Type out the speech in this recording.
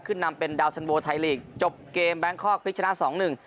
นำเป็นดาวสันโวไทยลีกจบเกมแบงคอกพลิกชนะสองหนึ่ง